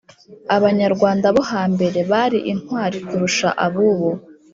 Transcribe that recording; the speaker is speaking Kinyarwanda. abanyarwanda bohambere bari intwari kurusha abubu